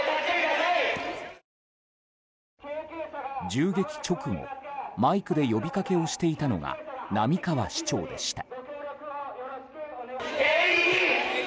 銃撃直後マイクで呼びかけをしていたのが並河市長でした。